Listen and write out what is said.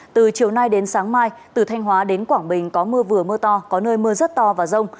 từ chiều nay đến sáng mai từ thanh hóa đến quảng bình có mưa vừa mưa to có nơi mưa rất to và rông